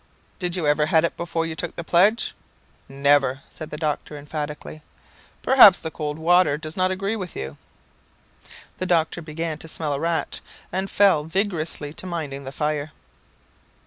"Did you ever have it before you took the pledge?" "Never," said the doctor emphatically. "Perhaps the cold water does not agree with you?" The doctor began to smell a rat, and fell vigorously to minding the fire.